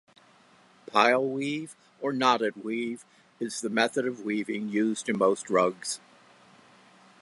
Pile weave or knotted weave is the method of weaving used in most rugs.